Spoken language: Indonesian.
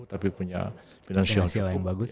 tapi punya finansial yang bagus